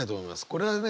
これはね